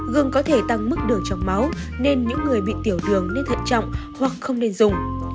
gương có thể tăng mức đường trong máu nên những người bị tiểu đường nên thận trọng hoặc không nên dùng